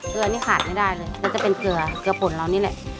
เกลือนี่ขาดไม่ได้เลยก็จะเป็นเกลือเกลือป่นเรานี่แหละ